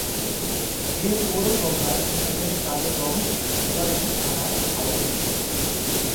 এ পৌরসভার প্রশাসনিক কার্যক্রম মুলাদী থানার আওতাধীন।